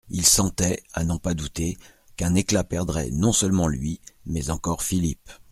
Il sentait, à n'en pas douter, qu'un éclat perdrait non seulement lui, mais encore Philippe.